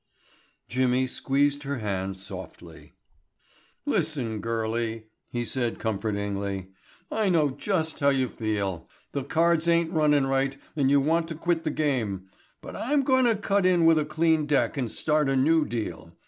Jimmy squeezed her hand softly. "Listen, girlie," he said comfortingly. "I know just how you feel—the cards ain't runnin' right and you want to quit the game, but I'm going to cut in with a clean deck and start a new deal.